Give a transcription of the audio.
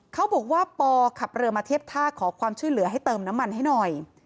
เขาบอกว่าปอขับเรือมาเทียบท่าขอความช่วยเหลือให้เติมน้ำมันให้หน่อย